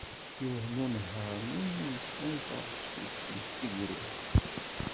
Yewhem unehhar-nni mi yesla i taɣect-is n tegrudt.